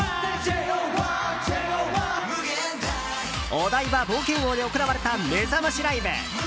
お台場冒険王で行われためざましライブ。